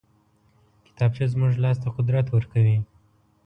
کتابچه زموږ لاس ته قدرت ورکوي